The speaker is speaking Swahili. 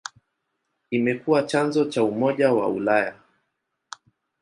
Imekuwa chanzo cha Umoja wa Ulaya.